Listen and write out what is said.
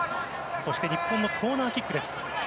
そして日本のコーナーキックです。